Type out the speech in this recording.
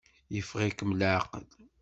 Yeffeɣ-ikem leɛqel?